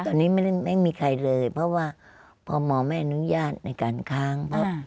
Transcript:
ตอนนี้ไม่มีใครเลยเพราะว่าพอหมอไม่อนุญาตในการค้างปั๊บ